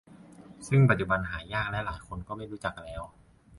ซึ่งปัจจุบันหายากและหลายคนก็ไม่รู้จักแล้ว